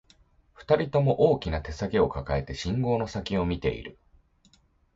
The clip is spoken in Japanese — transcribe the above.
二人とも、大きな手提げを抱えて、信号の先を見ている